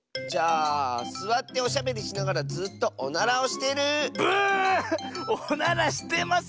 じゃあすわっておしゃべりしながらずっとおならをしてる！